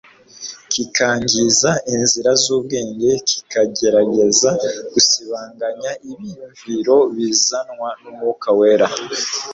kikangiza inzira z'ubwenge kikagerageza gusibanganya ibiyumviro bizanwa n'Umwuka Wera.